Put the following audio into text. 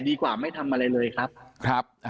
ดีกว่าไม่ทำอะไรเลยครับ